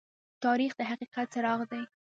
تاریخ د حقیقت څراغ دى.